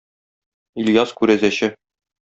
Ильяс күрәзәче.